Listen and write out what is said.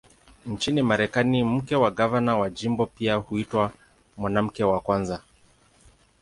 Nchini Marekani, mke wa gavana wa jimbo pia huitwa "Mwanamke wa Kwanza".